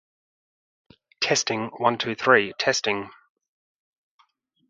At the end of the breach, O'Neill positioned two cannon, loaded with chain-shot.